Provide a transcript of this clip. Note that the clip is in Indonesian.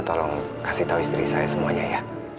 tolong kasih tahu istri saya semuanya ya